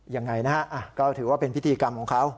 ยังไงนะฮะก็ถือว่าเป็นพิธีกรรมของเขา